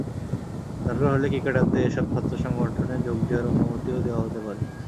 দরকার হলে ক্রিকেটারদের এসব ছাত্রসংগঠনে যোগ দেওয়ার অনুমতিও দেওয়া যেতে পারে।